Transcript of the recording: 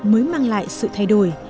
mới mang lại sự thay đổi